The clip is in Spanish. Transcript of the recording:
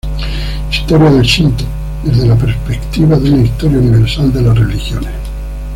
Historia del Shinto desde la perspectiva de una historia universal de las religiones.